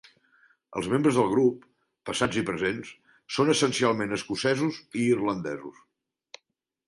Els membres del grup, passats i presents, són essencialment escocesos i irlandesos.